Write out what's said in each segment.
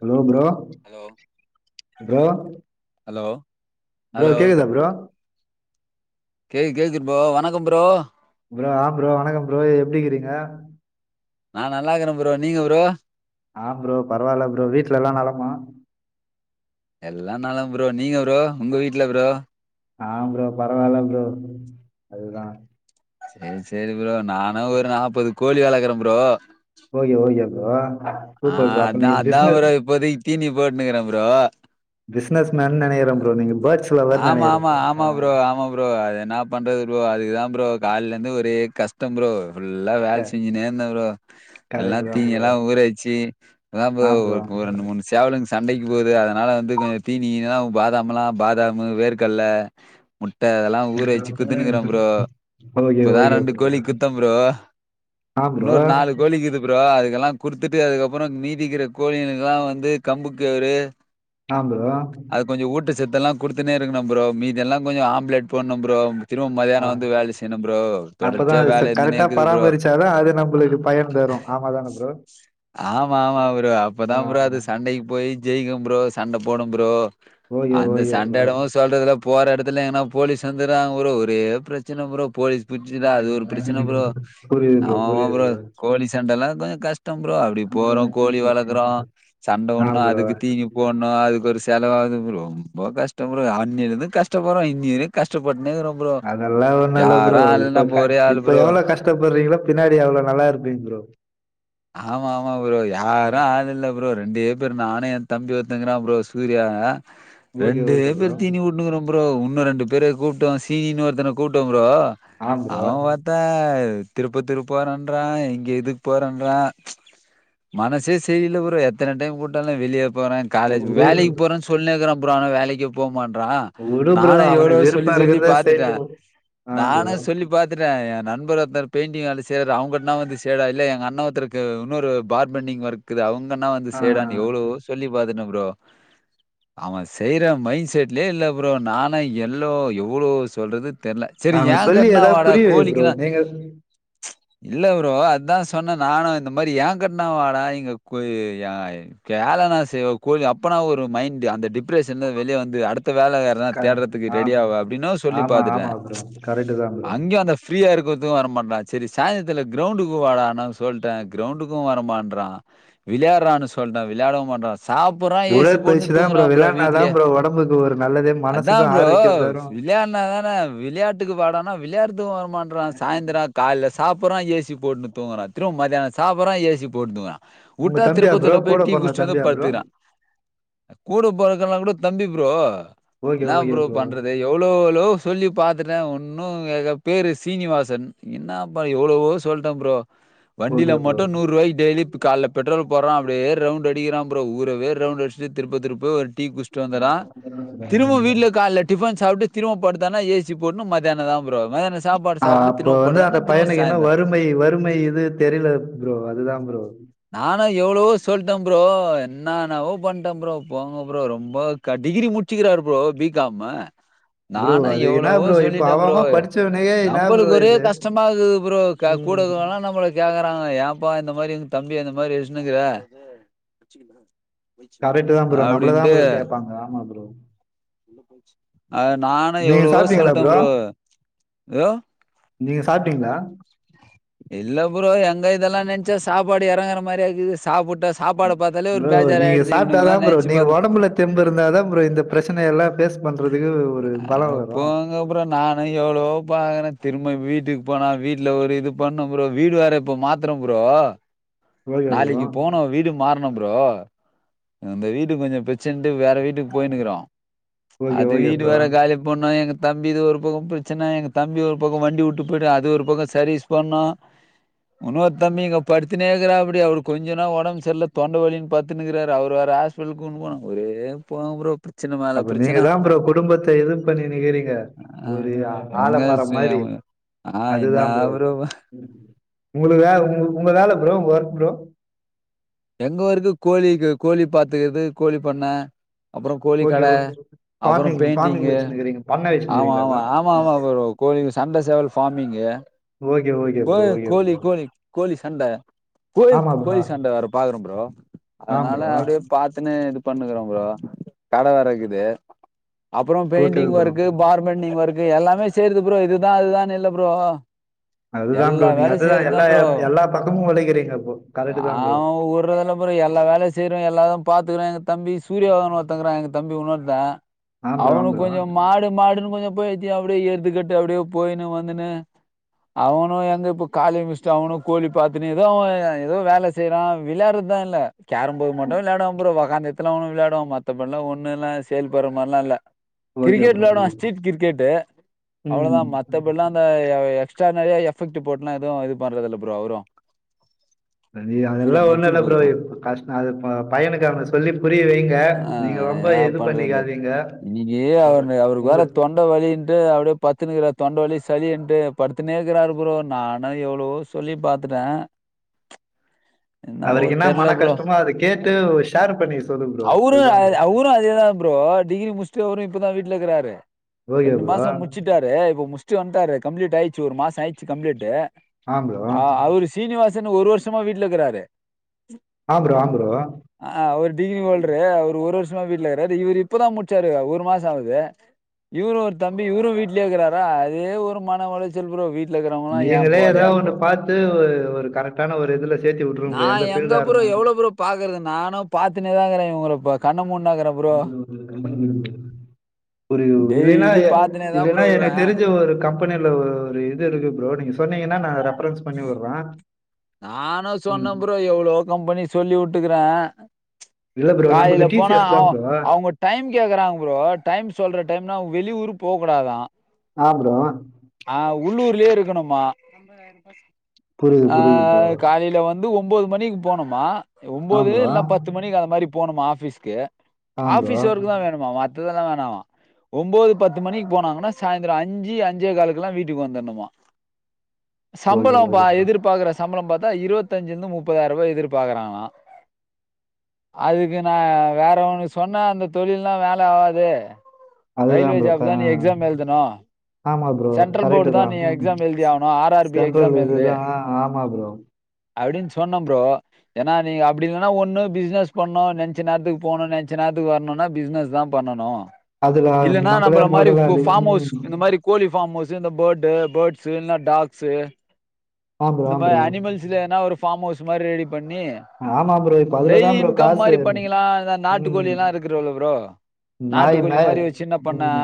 Hello bro hello bro hello bro hello கேக்கதா bro கேக் கேக்குது ப்ரோ வணக்கம் ப்ரோ ப்ரோ ஆ ப்ரோ வணக்கம் ப்ரோ எப்டிக்கிறீங்க நா நல்லா இக்குறே ப்ரோ நீங்க ப்ரோ ஆ ப்ரோ பரவால்ல ப்ரோ வீட்டுல எல்லா நலமா எல்லா நலம் ப்ரோ நீங்க ப்ரோ உங்க வீட்டுல ப்ரோ ஆ ப்ரோ பரவால்ல ப்ரோ அது தா ஆ செரி ப்ரோ நானு ஒரு நாப்பது கோழி வளக்குற ப்ரோ ஓகே ஓகே ப்ரோ ஆ சூப்பர் அப்ப அதா நீங்க அதா பிசினஸ் ப்ரோ இப்போதிக் தீனி போட்னுருக்ற ப்ரோ பிஸ்னஸ் மேன் நெனைக்ற ப்ரோ நீங்க பேட்ஸ் ஆமா ஆமா ஆமா ப்ரோ ஆமா ப்ரோ அது என்னா பண்றது ப்ரோ அதுக்குதா ப்ரோ கால்ல இந்து ஒரே கஷ்டோ ப்ரோ ஃபுல்லா க வேல செஞ்சினேருந்த ப்ரோ எல்லா கரெக்ட் தா தீனி ப்ரோ எல்லா ஊற வச்சி அதா ப்ரோ ஆ ஆ ஒரு ப்ரோ ரெண்டு மூணு சேவலுங் சண்டைக்கு போது அதனால வந்து கொஞ்சோ தீனீ கீனி பாதாம்லா பாதா மு வேர்கல்ல முட்ட அதெல்லா ஊற வச்சி குட்த்துன்னுக்ற ப்ரோ ஓகே இப்பதா ஓகே ரெண்டு ப்ரோ கோழி குட்த்த ப்ரோ ஆ ப்ரோ இன்னு ஒரு நாலு கோழி இக்கிது ப்ரோ அதுக்கெல்லா குடுத்துட்டு அதுக்கப்றோ மீதிக்கிற கோழியனுகெல்லா வந்து கம்பு கவுரு ஆ ப்ரோ அதுக் கொஞ்சோ ஊட்ட சத்தெல்லா குடுத்துனே இருக்கணு ப்ரோ மீதியெல்லா கொஞ்சோ ஆம்லெட் போனு ப்ரோ திரும்ப ஆ மதியானோ வந்து வேல செய்யணு ப்ரோ அப்பதா தொடர்ச்சியா ச வேல இருந்துனே கரெக்டா இருக்குது ப்ரோ பராமரிச்சாதா அது நம்புளுக்கு பயன் தரு ஆமா தான ப்ரோ ஆமா ஆமா ப்ரோ ஆ அப்பதா ப்ரோ அது சண்டைக்கு போய் ஜெயிக்கு ப்ரோ சண்ட போடு ப்ரோ ஓகே அந்த ஓகே ப்ரோ சண்டயிடவு சொல்றதுல போற எடத்துல எங்கனா போலீஸ் வந்துறாங்க ப்ரோ ஒரே பிரச்சன ப்ரோ போலீஸ் புட்ச்சுதா அது ஒரு பிரச்சன ப்ரோ புரியுது நா ஆமா ஆமா புரியுது ப்ரோ கோழி சண்டெல்லா தா கஷ் ட ப்ரோ அப்டி போறோ கோழி ப்ரோ வளக்குறோ சண்ட ஆ போனு ப்ரோ அதுக்கு தீனி போ னு அதுக்கு ஒரு செலவாவது இப்ப ரொம்ப கஷ்டோ ப்ரோ அன்னைலருந் கஷ்ட்ட பறோ இன்னிவரியு அதெல்லா ஒண்ணுல்ல ப்ரோ யாரும் ஆள் இல்ல இப்ப நம்ப ஒரே ஆள் இப்ப ப்ரோ. எவ்ளோ கஷ் ட பறீங்ளோ பின்னாடி அவ்ளோ நல்லாருப்பீங் ப்ரோ ஆமா ஆமா ப்ரோ ஆ யாரு ஆள் இல்ல ப்ரோ ரெண்டே பேரு நானே ஏ தம்பி ஒருத்தங்றா ப்ரோ சூர்யா ஓகே ரெண்டே ஓகே ப்ரோ பேர் தீனி உட்னுக்குறோ ப்ரோ உன்னு ரெண்டு பேரு கூப்ட்டோ சீனின்னு ஒருத்தன கூப்ட ப்ரோ ஆ ப்ரோ அவ வ தா திருப்பத்தூர் போறன்றா இங்க இதுக் போறன் ற ஆ மனசே செரில ப்ரோ எத்தன டைம் கூட்டாலு வெளிய போறா காலேஜ் வுடு வேலைக்கு போறன் சொல்னேக்றா ப்ரோ ஆனா வேலைக்கே போமாட்றா வுடு ப்ரோ நானு எவ்ளவோ அவனுக்கு சொல்லி விருப்பம் சொல்லி இருக்கிறத பாத்துட்டே செய்யட்டும் ஆ ப்ரோ நானு சொல்லி பாத் துட்டே ஏ நண்பர் ஒருத்தர் பெயிண்டிங் வேல செய்ற அவங்கட்னா வந்து சேர்டா இல்ல எங்க அண்ண ஒருத் ஒருத்தக்கு உன்னொரு பார்பண்டிங் ஒர்க்து அவங்கன்னா வந்து ஆ செய்டானு எவ்ளோ சொல்லி பாத்துட்ட ப்ரோ அவ செய்ற மைண்ட் செட்லயே இல்ல ப்ரோ நானு எல்லோ எவ்ளோ சொல்றது தெர்ல செரி ஏ அவனுக்கு சொல்லி கட்னா ஏதாவது வாடா புரிய வை ப்ரோ கோழிக்குனா நீங்க இல்ல ப்ரோ அதா சொன்ன நானு இந்த மாரி ஏ கட்னா வாடா இங்க கொ யா வேலனா செய்வே கோழி அப்பனா ஒரு மைண்ட் அந்த டிப்ரஷன் வெளிய வந்து அடுத்த வேல தா க தேடறதுக்கு ஆ ரெடி ஆவ அப்டின்னு சொல்லி ஆமா பாத்துட்டே ஆமா ப்ரோ கரெக்ட் தா ப்ரோ அங்யு அந்த ஃப்ரீயா இருக்கர்து வர மாட்டா செரி சாயந்தத்ல கிரௌண்டுக்கு வாடானா சொல்ட கிரௌண்டுக்கு வர மாட்றா விளையாறானு சொன்னா விளையாடவு மாட்றா சாப்புறா ஏசி போட்டு உடற்பயிற்சி தா தூங்குறா ப்ரோ விளையாடுனாதா வீட்லயே ப்ரோ ஒடம்புக்கு ஒரு நல்லது அதா மனசுக்கு ப்ரோ ஆரோக்கியம் தரும் விளயாட்னா தான விளையாட்டுக்கு வாடானா விளையாட்த்துக்கு வர மாட்றா சாய்ந்தர கால்ல சாப்றா ஏசி போட்னு தூங்றா திரும்ப மதியான சாப்றா ஏசி போட்டு தூங்றா உங்க உட்டா தம்பியா ப்ரோ திருப்பத்தூர்ல கூட போய் டீ பொறந்த குட்ச்சுட்டு தம்பியா வந்து ப்ரோ படுத்துக்குறா கூட பொறக்கலனா கூட தம்பி ப்ரோ ஓகே என்னா ஓகே ப்ரோ பண்றது எவ்ள் ளோ ளோ சொல்லி பாத்துட்டே ஒன்னு எங்க பேரு சீனிவாசன் என்னாபா எவளவோ சொல்ட்டே ப்ரோ வண்டில ஓகே ப்ரோ மட்டு நூறுவாய்க்கு டெய்லி இப்ப கால்ல பெட்ரோல் போட்றா அப்டியே ரவுண்ட் அடிக்கிறா ப்ரோ ஊரவே ரவுண்ட் அடிச்ட்டு திருப்பத்தூர் போய் ஒரு டீ குட்ச் ட்டு வந்துட்றா திரும்ப வீட்லயு கால்ல டிஃபன் சாப்ட்டு திரும்ப படுத்தானா ஏ சி போட்னு மதியான தா ப்ரோ மத்யான சாப்பாடு சாப்ட்டு திரும்ப படுத்தானா திரும்ப சாய்ந்தர மை வறுமை இது தெரில ப்ரோ அதுதா ப்ரோ நானு எவ்ளோவோ சொல்ட்டே ப்ரோ என்னானவோ பண்ட்டே ப்ரோ போங்க ப்ரோ ரொம்ப க டிகிரி முட்ச்சுக்குறாரு ப்ரோ பி காமு ப்ரோ நானு அது என்ன எவ்வளவோ ப்ரோ இப்போ சொல்லிட்டே அவன் ப்ரோ அவன் படிச்சவனுக்கே என்ன ப்ரோ நம்பளுக்கு ஒரே இது கஷ்டமாருக்குது ப்ரோ க கூட ம் இருக்குறவலா நம்மளக் கேக்குறாங்க ஏப்பா இந்த மாரி வந்து தம்பிய அந்த மாரி வெச்சினுக்கிற அப்டின்ட்டு அங்க ஆமா ப்ரோ அத நானு நீங்க எவளவோ சாப்பிட்டீங்களா சொல்ட்டே ப்ரோ ப்ரோ நீங்க சாப்ட்டீங்ளா இல்ல ப்ரோ எங்க இதெல்லா நென்ச்சா சாப்பாடு எறங்குற மாரியாக்குது சாப்புட்டா சாப்பாட பாத்தாலே ஒரு ப்ரோ நீங்க பேஜாராயிடுது இவனுங்களா சாப்பிட்டாதான் ப்ரோ நென்ச்சு நீங்க பாத்தா உடம்புல தெம்பு இருந்தா தா ப்ரோ இந்த பிரச்சனையெல்லா ஃபேஸ் பண்றதுக்கு ஒரு பல வரு ங்க ப்ரோ நானு எவ்ளவோ பாக்றே திரும்ப வீட்டுக்கு போனா வீட்ல ஒரு இது பண்ணு ப்ரோ வீடு வேற இப்ப மாத் த்றம் ப்ரோ ஓகே ப்ரோ நாளைக்கு போனு வீடு மாற்ணு ப்ரோ இந்த வீடு கொஞ்ச பிரச்சனன்ட்டு வேற வீட்டுக்கு போயினுக்குறோ ஓகே அது ஓகே வீடு ப்ரோ வேற காலிப் பண்ணு எங்க தம்பி இது ஒரு பக்க பிரச்சன எங்க தம்பி ஒரு பக்க வண்டி வுட்டு போயி்ட்டு அது ஒரு பக்க சர்வீஸ் பண்ணு உன்னொரு தம்பி இங்க படுத்துனே இருக்குறாப்பு டி அவருக்கு கொஞ்ச நா ஒடம்பு செர்ல்ல தொண்ட வலினு பட்த்துனுக்குறாரு அவர வேற ஹாஸ்பிட்டலுக்கு கூட்னு போனு ஒரே போங்க ப்ரோ ச்சனன மேல அப்ப நீங்க பிரச்சன தான் ப்ரோ குடும்பத்த இது பண்ணினுக்கிறீங்க. ஆ ஒரு ஆ- ஒன்னுமே ஆலமரம் செய்ய மாரி மட்ல ஆ என்ன ப்ரோ வா உங்களுக்கு வே உங் உங்க வேல ப்ரோ உங்க ஒர்க் ப்ரோ எங்க வொர்க்கு கோழிக்கு கோழி பாத்துக்கிறது கோழி பண்ண அப்பற ஓகே கோழிக்கட ஓ அப்பற ஃபார்மிங் ஃபார்மிங் பெயிண்டிங்கு வச்சுனுக்கிறீங்க பண்ண ஆமா வச்சுனுக்கிறீங்களா ஆமா ப்ரோ? ஆம் மா ஆமா ப்ரோ கோழிங் சண்ட சேவல் ஃபார்மிங்கு ஓகே ஓகே கோ ப்ரோ ஓகே கோழி ப்ரோ கோழி கோழி சண்ட கோழி ஆமா கோழி ப்ரோ சண்ட வேறப் பாக்றோ ப்ரோ ஆ அதனால ப்ரோ அப்டியே ப பாத்துன்னே இது பண்ணுக்குறோ ப்ரோ கட வேறக்குது அப்பறோ ஓகே பெயிண்டிங் ப்ரோ. ஒர்க்கு பார் பெண்டிங் வொர்க்கு எல்லாமே செய்றது ப்ரோ இதுதா அதுதான் இல்ல ப்ரோ அதுதா எல்லா ப்ரோ நீங்க வேலையும் அதுதா எல்லா செய்றதுதான் ப்ரோ எல்லா பக்கமு ஒழைக்கிறீங்க ப்ரோ கரெட்டு தா ப்ரோ இப்ப ஒரு இதுல பூரா எல்லா வேலையு செய்றோ எல்லாதா பாத்துக்குறோ எங்க தம்பி சூரியானு ஒருத்தக்குறா எங்க தம்பி உன்னொருத்த ஆ ப்ரோ ஆ அவனு ப்ரோ கொஞ்ச மாடு மாடுன்னு கொஞ்ச பைத்திய அப்டியே எடுத்துக்கிட்டு அப்டியே போயினு வந்துனு அவனு எங்க இப்ப காலேஜ் முட்ச்சுட்டு அவனு கோழி பாத்துன்னு எதோ அவ எதோ வேல செய்றா விளாட்றதுதா இல்ல கேரம் போர்டு மட்டு விளாடுவா ப்ரோ ஒக்காந்து த்துலா ஒன்னு விளாடுவா மத்தபட்ல்லா ஒன்னுல செயல்படுற மார்லா இல்ல ஓகே கிரிக்கெட் ப்ரோ விளாடுவே ஓகே ப்ரோ ஸ்டீட் கிரிக்கெட்டு அவ்ளோதா ம். மத்தபட்லா அந்த எக்ஸ் ஸ்ட்டா நெறைய எஃபக்ட் போட்லா எது இதுபன்றதில்ல ப்ரோ அவரு நீ அதெல்லா சூர்யா ஒன்னு மெர்ச்சிட்டு இல்ல போது ப்ரோ இப் கஷ் அது ப பய்யனுக்கு அப்றோ சொல்லி புரிய வைங்க ஆ நீங்க ரொம்ப என்னா இது பண்றது பண்ணிக்காதிங்க இன்னிக்கி உங்க அவரு அவருக்கு உங்க வேற தொண்ட வலின்ட்டு அப்டியே பத்துனுக்றா தொண்ட வலி சளின்ட்டு படுத்துனேகிறாரு ப்ரோ நானு எவ்ளோ சொல்லி பாத்துட்டே என்னவோ அவருக்கு என்ன தெர்ல மன ப்ரோ கஷ்டமோ அத கேட்டு ஷேர் பண்ணிக்க சொல்லு ப்ரோ அதுதா ப்ரோ அது தா ப்ரோ டிகிரி முச்ட்டு அவரே இப்பதா வீட்ல இருக்றாரு ஓகே ரெண்டு ப்ரோ. மாசோ முச்சிட் டாரு இப்ப முச்ட்டு வந்ட்டாரு கம்ளீட் ஆயிச்சு ஒரு மாச ஆயிச்சு கம்ளீட்டு ஆம் ப்ரோ. அ அவரு சீனிவாசன் ஒரு வருஷமா வீட்ல இருக்றாரு ஆ ப்ரோ ஆ ப்ரோ ஆ அவரு டிகிரி ஓல்ட்ரு ஒரு ஒரு வருஷமா வீடல இருக்றாரு இவரு இப்பதா முட்ச்சாரு ஒரு மாசோ ஆவுது இவரு ஒரு தம்பி இவரு வீட்லயே இருக்றாரா அதே ஒரு மன ஒளச் சல் ப்ரோ வீட்ல இருக்றவங்ளா ஏ போலய்யா அப்போ இது ஒரு ஒரு கரெக்டான ஒரு இதுல சேத்து விட்ருங்க ப்ரோ எந்த பீல்டா இருந்தாலு பாக்றது நானு பாத்துனேதா இருக்றே இவுங்ளப்ப கண்ணமூண்ணாகுற [inaudible] ஒரு இல்லைனா டெய்லி பாத்துனேதா இல்லைனா ப்ரோ இருக்கறே எனக் தெரிஞ்ச ஒரு கம் பெனில ஒரு இது இருக்கு ப்ரோ நீங்க சொன்னீங்கன்னா நா ரெஃபரன்ஸ் பண்ணி விடுறேன். நானு ம். சொன்னே ப்ரோ எவ்ளோ கம்பெனி சொல்லி வுட்டுக்றே இல்ல ப்ரோ காலையில நம்மது போனா டிசிஎஸ் தான் ப்ரோ. அவுங்க டைம் கேக்குறாங்க ப்ரோ டைம் சொல்ற டைம்னா அவுங் வெளியூரு போக்கூடாதா ஆ ப்ரோ ஆ உள்ளூர்லயே இருக்கணுமா புரியுது ஆ புரியுது ப்ரோ காலைல வந் து ஒம்பது மணிக்கு போணுமா ஆ ஒம்பது ப்ரோ இல்னா பத்து மணிக்கு அந்த மாரி போணுமா ஆஃபீஸ்க்கு ஆ ப்ரோ ஆஃபிஸ் ஒர்க் தா வேணுமா மத்ததெல்லா வேணாமா ஒம்போது பத்து மணிக்கு போனாங்கன்னா சாய்ந்ரோ அஞ்சு அஞ்சே காலுக்ல்லா வீட்டுக்கு வந்துர்னுமா ஓகே சம்பளோ பா ஓகே ப்ரோ எதிர்பாக்ற சம்பளோ பாத்தா இருவத்தஞ்சுல இருந்து முப்பதாயிரோ எதிர்பாக்றாங்கனா அதுக்கு நா வேற ஒன்னு சொன்னே அந்த தொழில்லா வேல ஆவாது அதுதான் ரயில்வே ப்ரோ ஜாப் க தா நீ எக்ஸாம் எழ்தணு ஆமா ப்ரோ சென்ட்ரல் கரெக்டு போர்டு தா தான் நீ ம் எக்ஸாம் எழ்தியாணு ஆர் ஆர்பி சென்ட்ரல் எக்ஸாம் எழ்து இதுதான் ஆமா ப்ரோ அப்டின் சொன்னே ப்ரோ ஏன்னா நீங்க அப்டி இல்லன்னா ஒன்னு பிஸ்னஸ் பண்ணு நென்ச்ச நேரத்துக்கு போணு நென்ச்ச நேரத்துக்கு வர்ணுனா பிஸ்னஸ் தா பண்ணணு அதுல இல்லன்னா நம்மளே நம்பள மாரி கு முதலாளி ஃபார்மவுஸ் ம் இந்த மாரி கோழி ஃபார்மவுஸ்ஸு இந்த பேர்டு பேர்ட்ஸ் இல்னா டாக்ஸ்ஸு ஆ ப்ரோ இந்த ஆ மாரி ப்ரோ அனிமல்ஸ் இல்லனா ஒரு ஃபார்மவுஸ் மாரி ரெடி பண்ணி ஆமா ப்ரோ இப்ப டெய்லி அதுலதான் ப்ரோ இன்கம் காசு மாரி பண்ணிக்கலா அத நாட்டுக்கோழி ம் எல்லா இருக்குறல ப்ரோ நாய் நாட்டுக்கோழி மே மாரி ஒரு சின்ன பண்ண ம்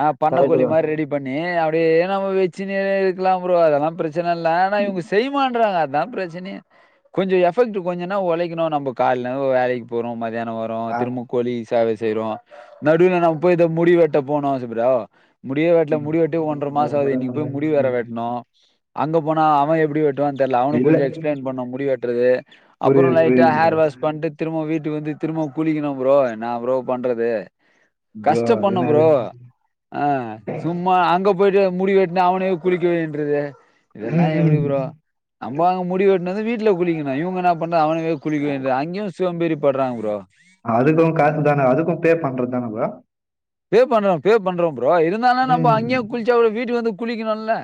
ஆ பண்ணக் கரெக்டு கோழி தான் மாரி ரெடி பண்ணி அப்டியே நம்ம வச்சுனே இருக்லா ப்ரோ அதெல்லா பிரச் சன இல்ல ஆனா இவுங்க செய்வான்றாங்க அதா பிரச்சனே கொஞ்சோ எஃபெக்ட்டு கொஞ்சன்னா ஒழைக்கணு நம்ப கால்ன ஒ வேலைக்கு போறோ மத்யானோ வரோ ஆ திரும கோழி சேவ செய்றோ நடுல நம் போய் இத முடி வெட்ட போனா ஆச ப்ரோ முடியே வெட்ல ம் முடி வெட்டி ஒன்ற மாசோ ஆகுது இன்னைக்கு போய் முடி வேர வெட்ணு அங்க போனா அவே எப்டி வெட் ட்டு தெர்ல அவனுக் இல்ல கொஞ்சோ எக்ஸ்பிளைன் பண்ணோ முடிவெட்றகு அப்புறோ புரியுது லைட்டா புரியுது ஹேர் ப்ரோ வாஷ் பண்ட்டு திருமோ வீட்டுக்கு வந்து திருமோ குளிக்குணு ப்ரோ என்ன ப்ரோ பண்றது ப்ரோ கஷ்டப்பட்ணு என்னது ப்ரோ ஆ சும்மா அங்க போய்ட்டு முடி வெட்னா அவனையு குளிக்க வைன்றது இதெல்லா ம் எப்டி ம் ப்ரோ நம்ம அங்க முடி வெட்டினது வீட்ல குளிக்குணு இவுங்க என்ன பண்றா அவனுங்களே குளிக்க வைன்றது அங்கியு சோம்பேரி பட்றாங் ப்ரோ அதுக்கு காசுதான அதுக்கு பே பண்றதுதானபா பே பண்றோ பே பண்றோ ப்ரோ இருந்தாலு நம்போ ம். அங்யே குள்ச்சா கூட வீட்டுக்கு வந்து குளிக்கணுல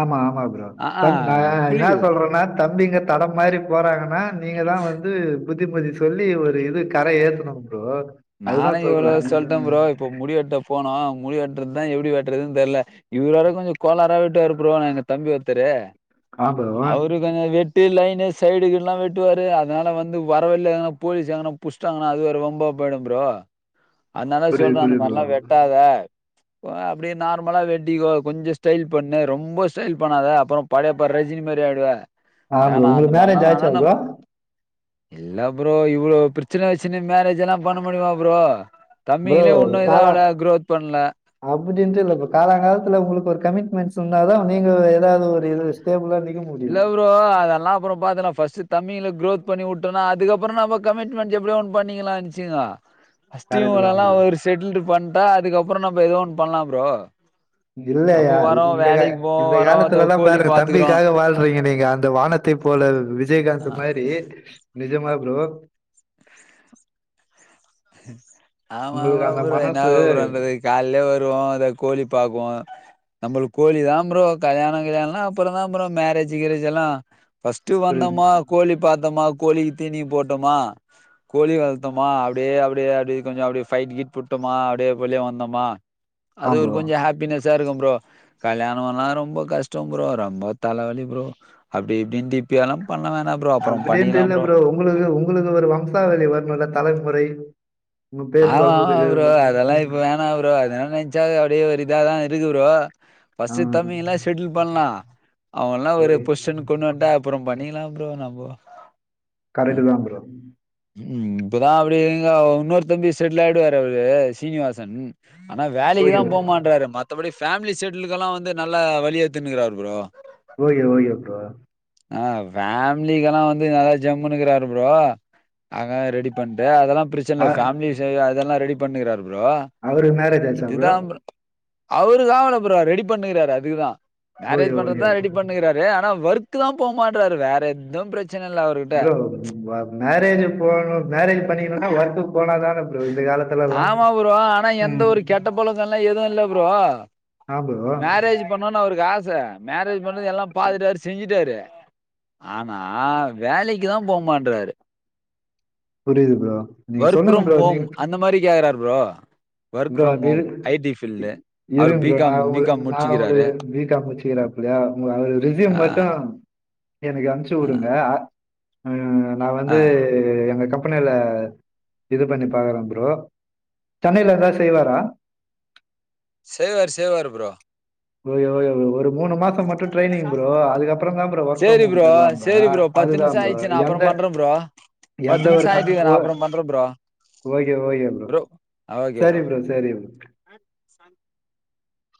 ஆமா ஆமா ப்ரோ கர்ட்டுதா என்ன குளிக்குது சொல்றனா தம்பீங்க தடம் மாரி போறாங்கனா நீங்கதா வந்து புத்திமதி சொல்லி ஒரு இது கரை ஏத்தனு ப்ரோ நானு அதுதான் எவுளவோ சொல்றேன். சொல்ட்டன் ப்ரோ இப்ப முடி வெட்ட போனோ முடி வெட்டுறதுதான் எப்படி வெட்றதா எப்டி வெட்றதுன் தெர்ல இவுர் வேற கொஞ்சோ கோலாரா வெட்டுவாரு ஆனா எங்க தம்பி ஒர்த்தரு ஆ ப்ரோ. அவரு கொஞ்சோ வெட் டி லைனு சைடுகிட்லா வெட்டுவாரு அதுனால வந்து வரவழில எங்கனா போலீஸ் எங்கனா புஷ்டாங்கனா அது வேற வம்பா போய்டு ப்ரோ அதுனால சொல்ற புரியுது, அந்த புரியுது மார்லா ப்ரோ. வெட்டாத இப்ப அப்டியே நார்மலா வெட்டிகோ கொஞ்சோ ஸ்டைல் பண்ணு ரொம்ப ஸ்டைல் பண்ணாத அப்புறோ படையப்பா ரஜினி மாரி ஆய்டுவ ஆ உங்குளுக் மேரேஜ் ஆய்ச்சா ப்ரோ இல்ல ப்ரோ இவுளோ பிர்ச்சின வச்சினு மேரேஜெலா பண்ண முடியுமா ப்ரோ ப்ரோ தம்பிங்களே உன்னு இதாவல குரோத் பண்ல அப்டின்ட்டு இல்ல இப்ப காலாங்காலத்துல உங்ளுக்கு ஒரு கமிட்மெண்ட்ஸ் இருந்தாதா நீங்க எதாது ஒரு இதுல ஸ்டேபுலா நிக்க இல்ல முடியும். ஃப்ரோ அதலா அப்புறோ பாக்குலா ஃபஸ்ட்டு தம்பிங்குள குரோத் பண்ணி உட்டோனா அதுகப்புறோ நம்ம கமிட்மெண்ட் எப்டியோ ஒன் பண்ணிக்கிலா நெனச்சிங்கோ ஃபஸ்ட்டு கரெக்ட்டு தான் இவுங்கலலா ப்ரோ. ஒரு செட்டுல்ட்டு பண்ட்டா அதுகப்புறோ நம்ப எதோ ஒன் பண்லா ப்ரோ இல்லயா நம்ம வரோம் இந்த கா வேலைக்கு போவோம் இந்த வரோம் காலத்துலலா கோழி பாருங்க பாத்துக்குறோம் தம்பிக்காக வாழ்றீங்க நீங்க அந்த வானத் தை போல விஜயகாந்த் மாரி நிஜமா ப்ரோ ஆமா உங்களுக்கு ஆமா அந்த ப்ரோ என்ன மனசு ப்ரோ பண்றது கால்லே வருவோ அந்த கோழி பாப்போ நம்மளுக் கோழிதா ப்ரோ கல்யாணோ கில்யாண்லா அப்புறோந்தா ப்ரோ மேரேஜு கீரேஜெல்லா ஃபஸ்ட்டு ஒரு வந்தோமா கோழி பாத்தோமா கோழிக்கு தீனிய போட்டோமா கோழி வள்த்தோமா அப் டி அப்டியே அப்டியே கொஞ்சோ அப்டி ஃபை்ட் கிட் புட்டோமா அப்டியே வெளிய வந்தோமா ஆ அது ஒரு ப்ரோ கொஞ்சோ ஹாப்பினஸ்ஸா இருக்கு ப்ரோ கல்யாணோலா ரொம்ப கஷ்டோ ப்ரோ ரொம்போ தலவலி ப்ரோ அப்டி இப்டின் திர்ப்பி அதுலா பண்ணவேணா அப்பிடின்ட்டு இல்ல ப்ரோ உங்குளுகு உங்குளுக்கு ஒரு வம்சாவழி வர்ணுல்ல தலைமுறை உங்க பேர் சொல்றதுக்கு உங்க [unintelligible] என்ன ப்ரோ அதுலா நென்ச்சால அப்டியே ஒரு இதாதா இருக்கு ப்ரோ ஆ ஃபஸ்ட்டு தம்பிங்களா செட்டுல் பண்லா அவன்லா ஒரு ஓகே பொஷ்ஷனுக் கொண்டுவன்ட்டா அப்புறோ பண்ணிக்குலா ப்ரோ நம்போ கரெட்டுதா ப்ரோ ம் இப்பதா அப்டி இங்க உன்னோரு தம்பி செட்லாய்டுவாரு அவரு சீனிவாசன் ஆனா ஓகே வேலைக்குதா போமாற்றாரு மத் தபடி ஃபேம்லி செட்லுக்கலா வந்து நல்லா வழியெத்துன்னுகுறாரு ப்ரோ ஓகே ஓகே ப்ரோ ஆ ஃபேமிலிக்கலா வந்து நல்லா ஜம்முன் இர்குறாரு ப்ரோ ஆக ரெடி பண்ட்டு அதெல்லா பிரச்சன்ல்ல ஃபேமிலி விஷயோ அதெல்லா ரெடி பண்ணுகிறாரு ப்ரோ அவருக்கு மேரேஜ் ஆச்சா இதுதா ப்ரோ அவரு வாங்கல ப்ரோ ரெடி பண்ணுகிறாரு அதுக்குதா ஓகே மேரேஜ் ஓகே பண்றத்தா ரெடி பண்ணுனிக்குறாரு ஆனா ஒர்க்குதா போமாட்றாரு வேற எத்துவு பிரச்சன இல்ல அவரு ப்ரோ ஒர் மேரேஜி போணு மேரேஜ் பன்னிக்னானா ஒர்குக் போனாதான ஆமா ப்ரோ ஆனா எந்த ம் ஒரு கெட்ட பழக்கல்லா எதுவோ இல்ல ப்ரோ ஆ ப்ரோ மேரேஜ் பண்ணுனு அவருக்கு ஆச மேரேஜ் பண்றதுக்கு எல்லா பாத்துட்டாரு செஞ்சிட்டாரு ஆனா வேலைக்கு தா போமாட்றாரு புரியுது ப்ரோ நீங்க ஒர்க் சொல்லுங்க ஃப்ரம் ப்ரோ நீ ஹோம் அந்த மாரி கேக்றாரு bro work bro from home I T field. [unintelligible] அவரு இருங்க பி ப்ரோ நா காம் பி உங்ளுக் காம் நா முடிச்சுக்கிறாரு உங்களுக் பி காம் முச்சுகிறே குதா அவுருது ரிசியு ஆ மட்டு எனக்கு அம்ச்சு ஆ உடுங்க அ நா ஆ வந்து து எங்க கம்பெனில இது பண்ணி பாக்றே ப்ரோ சென்னைல [unintelligible] செய்வாரா செய்வாரு செய்வாரு ப்ரோ ஓக்கே ஓக்கே ப்ரோ ஒரு மூணு பாசோ மட்டு ட்ரைனிங் ப்ரோ அதுகப்றோ தா ப்ரோ ஒர்க் சேரி ஃப்ரம்ஹோம் ப்ரோ தருவாங்க அதுதா ப்ரோ எந்த அப்றோ ப்ரோ பத்து நிம்ஷோ ஆயிட்ருக்கு நா அப்றோ பண்ற ப்ரோ ஓக்கே ஓக்கே ப்ரோ சரி ப்ரோ சரி ப்